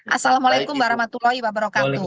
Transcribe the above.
assalamualaikum warahmatullahi wabarakatuh